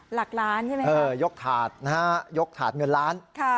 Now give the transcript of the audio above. หลักล้านใช่ไหมครับยกถาดเงินล้าน